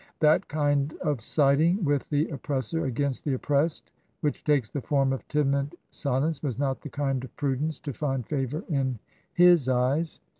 That kind of siding with the oppressor against the oppressed which takes the form of timid silence Wcis not the kind of prudence to find favour in his eyes.